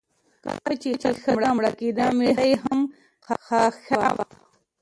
کله چې ښځه مړه کیده میړه یې هم خښاوه.